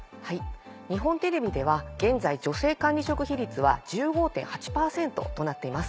日本テレビでは現在女性管理職比率は１５．８％となっています。